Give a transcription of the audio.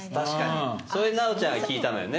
それで奈緒ちゃんは聞いたのよね